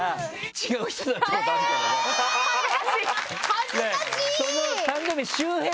恥ずかしい！